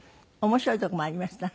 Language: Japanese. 面白いとこもありました？